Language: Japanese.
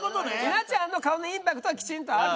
稲ちゃんの顔のインパクトはきちんとある。